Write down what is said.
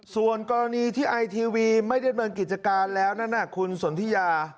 ส่วนกรณีที่ไอทีวีไม่ได้ดำเนินกิจการแล้วนั้นคุณสนทิยา